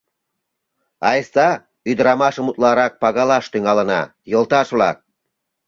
Айста, ӱдырамашым утларак пагалаш тӱҥалына, йолташ-влак!